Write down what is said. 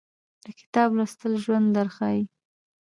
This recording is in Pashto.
د کتاب لوستل ژوند درښایي